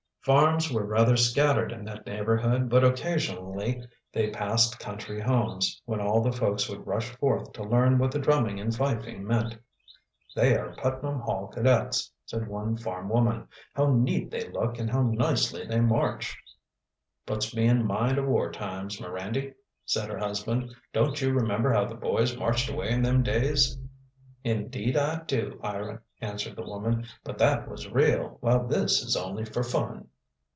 Farms were rather scattered in that neighborhood, but occasionally they passed country homes, when all the folks would rush forth to learn what the drumming and fifing meant. "They are the Putnam Hall cadets," said one farm woman. "How neat they look and how nicely they march!" "Puts me in mind o' war times, Mirandy," said her husband. "Don't you remember how the boys marched away in them days"? "Indeed I do, Ira," answered the woman. "But that was real, while this is only for fun."